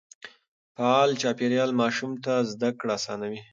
فعال چاپېريال ماشوم ته زده کړه آسانوي.